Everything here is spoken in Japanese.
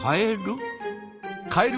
カエル？